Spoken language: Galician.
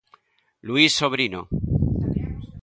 Luís Sobrino.